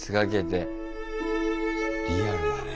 リアルだねえ。